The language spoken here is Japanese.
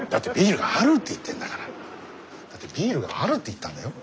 ビールがあるって言ったんだよ。